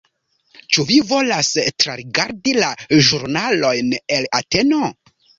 Ĉu vi volas trarigardi la ĵurnalojn el Ateno?